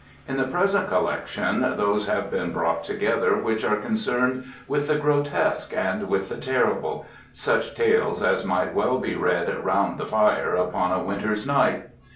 In the present collection those have been brought together which are concerned with the grotesque and with the terrible—such tales as might well be read "round the fire" upon a winter's night.